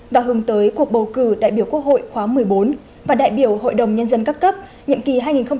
và hướng tới cuộc bầu cử đại biểu quốc hội khóa một mươi bốn và đại biểu hội đồng nhân dân các cấp nhiệm kỳ hai nghìn hai mươi một hai nghìn hai mươi sáu